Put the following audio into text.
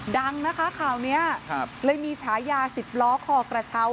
ดังนะคะข่าวนี้เลยมีฉายาสิบล้อคอกระเช้า